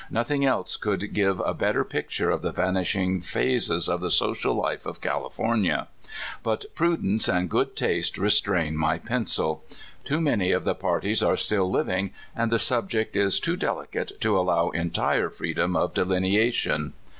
Nothing else could give a better picture of the vanishing phases of the social life of California. But pru dence and good taste restrain my pencil. Too many of the parties are still living, and the subject is too delicate to allow entire freedom of delinea tion.